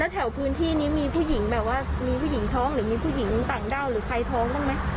แถวพื้นที่นี้มีผู้หญิงแบบว่ามีผู้หญิงท้องหรือมีผู้หญิงต่างด้าวหรือใครท้องบ้างไหม